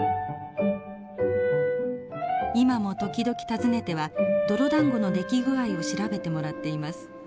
今も時々訪ねては泥だんごの出来具合を調べてもらっています。